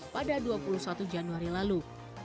pada dua puluh satu januari lalu